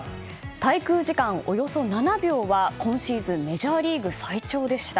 滞空時間およそ７秒は今シーズンメジャーリーグ最長でした。